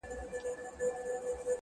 • لاس زما مه نيسه چي اور وانـــخــلـې ـ